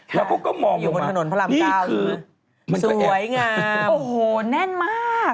แล้วก็มองมานี่คือสวยงามมันก็แอบโอ้โฮแน่นมาก